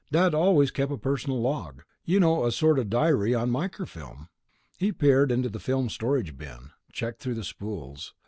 "Dad always kept a personal log. You know, a sort of a diary, on microfilm." He peered into the film storage bin, checked through the spools.